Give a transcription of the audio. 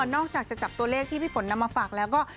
นอกจากจะจับตัวเลขที่พี่ฝนนำมาฝากแล้วก็